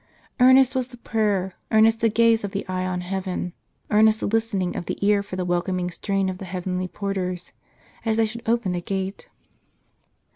Earnest was the prayer, earnest the gaze of the eye on heaven, earnest the listening of the ear for the welcoming strain of the heavenly porters, as they should open the gate.